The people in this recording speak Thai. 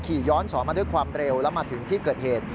ขี่ย้อนสอนมาด้วยความเร็วแล้วมาถึงที่เกิดเหตุ